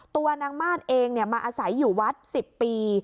ตัวนางมาศเองเนี่ยมาอาศัยอยู่วัดสิบปี